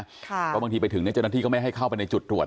เพราะบางทีไปถึงเจ้าหน้าที่ก็ไม่ให้เข้าไปในจุดตรวจ